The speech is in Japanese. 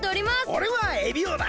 おれはエビオだ。